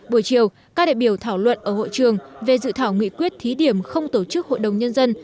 buổi chiều các đại biểu thảo luận ở hội trường về dự thảo nghị quyết thí điểm không tổ chức hội đồng nhân dân